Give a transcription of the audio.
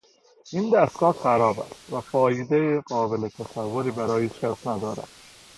این دستگاه خراب است و فایدهی قابل تصوری برای هیچ کس ندارد.